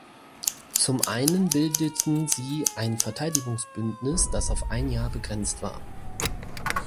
Zum einen bildeten sie ein Verteidigungsbündnis, das auf ein Jahr begrenzt war.